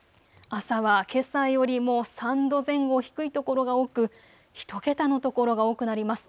朝はけさよりも３度前後低い所が多く１桁の所が多くなります。